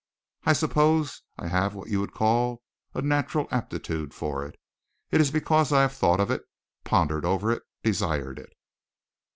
I suppose I have what you would call a natural aptitude for it. It is because I have thought of it, pondered over it, desired it."